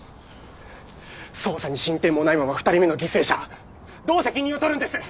捜査に進展もないまま２人目の犠牲者どう責任を取るんです！？